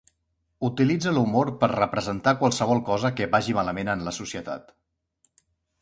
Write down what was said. Utilitza l'humor per representar qualsevol cosa que vagi malament en la societat.